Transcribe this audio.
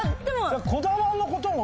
こだまのことも。